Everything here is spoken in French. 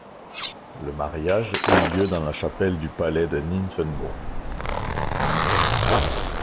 Le mariage eut lieu dans la chapelle du palais de Nymphenburg.